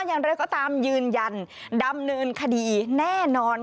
อย่างไรก็ตามยืนยันดำเนินคดีแน่นอน